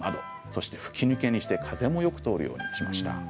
そして吹き抜けにして風もよく通るようにしました。